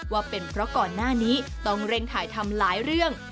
ว่าเป็นเพราะก่อนหน้านี้ต้องเร่งถ่ายทำหลายเรื่อง